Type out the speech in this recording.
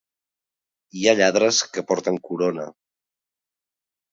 Hi ha lladres que porten corona.